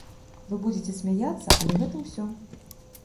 Вы будзіце смяяцца, але гэта ўсё.